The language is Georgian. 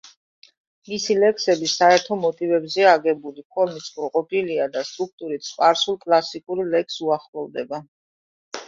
მისი ლექსები საერო მოტივებზეა აგებული, ფორმით სრულყოფილია და სტრუქტურით სპარსულ კლასიკურ ლექსს უახლოვდება.